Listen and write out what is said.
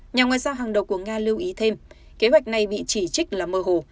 nhà ngoại giao hàng đầu của nga lưu ý thêm kế hoạch này bị chỉ trích là mơ hồ